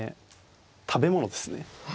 食べ物ですね。